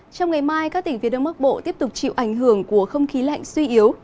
trong ngày mai các tỉnh phía đông bắc bộ tiếp tục chịu ảnh hưởng của không khí lạnh suy yếu